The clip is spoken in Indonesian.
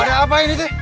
ada apa ini teh